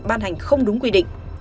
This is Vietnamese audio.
ban hành không đúng quy định